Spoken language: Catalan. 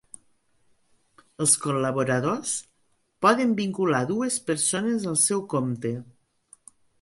Els col·laboradors poden vincular dues persones al seu compte.